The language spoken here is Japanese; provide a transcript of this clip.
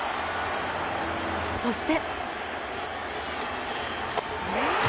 そして。